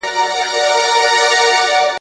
زما له تندي زما له قسمته به خزان وي تللی ,